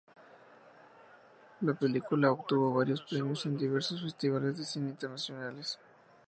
La película obtuvo varios premios en diversos festivales de cine internacionales.